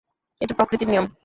এটা প্রকৃতির নিয়ম।